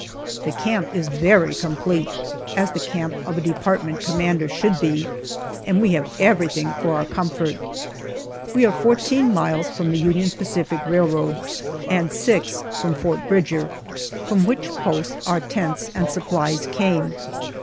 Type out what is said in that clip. The camp is very complete, as the camp of a department commander should be, and we have everything for our comfort. We are fourteen miles from the Union Pacific Railroad and six from Fort Bridger, from which post our tents and supplies came.